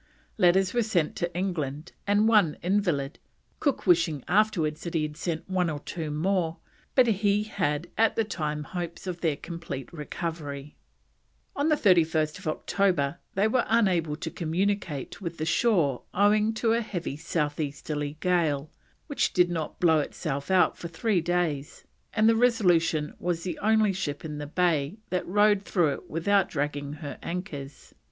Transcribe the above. Letters were sent to England and one invalid, Cook wishing afterwards that he had sent one or two more, but he had at the time hopes of their complete recovery. On 31st October they were unable to communicate with the shore owing to a heavy south easterly gale which did not blow itself out for three days, and the Resolution was the only ship in the bay that rode through it without dragging her anchors.